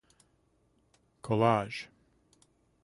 Collage.